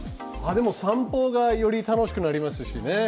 でも散歩がより楽しくなりますしね。